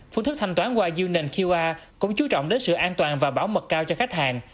phương thức thanh toán qua unionqr cũng chú trọng đến sự an toàn và bảo mật cao cho khách hàng